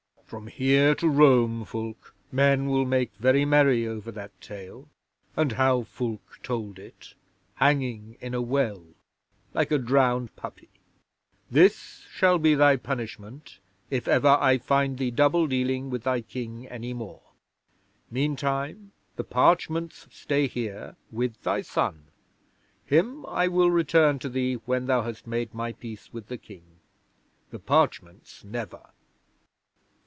From here to Rome, Fulke, men will make very merry over that tale, and how Fulke told it, hanging in a well, like a drowned puppy. This shall be thy punishment, if ever I find thee double dealing with thy King any more. Meantime, the parchments stay here with thy son. Him I will return to thee when thou hast made my peace with the King. The parchments never."